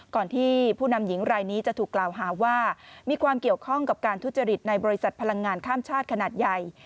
ก่อนที่ผู้นำหญิงรายนี้จะถูกกล่าวหาว่ามีความเกี่ยวข้องกับการทุจริตในบริษัทพลังงานข้ามชาติขนาดใหญ่